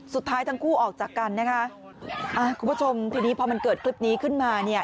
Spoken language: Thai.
สุดท้ายทั้งคู่ออกจากกันนะคะอ่าคุณผู้ชมทีนี้พอมันเกิดคลิปนี้ขึ้นมาเนี่ย